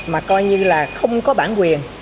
mà coi như là không có bản quyền